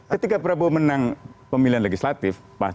ketika prabowo menang pemilihan legislatif